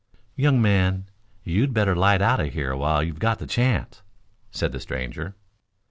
"Young man, you'd better light out of here while you've got the chance," said the stranger.